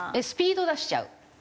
スピード出しちゃう。